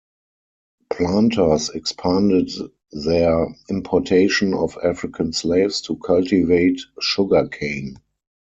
Planters expanded their importation of African slaves to cultivate sugar cane.